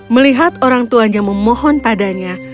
melihat orang tuanya memohon padanya